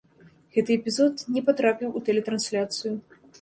Гэты эпізод не патрапіў у тэлетрансляцыю.